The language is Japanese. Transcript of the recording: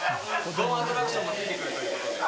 ドンアトラクションもついてくるということで。